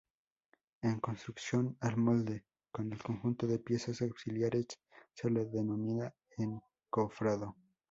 En construcción, al molde, con el conjunto de piezas auxiliares, se le denomina encofrado.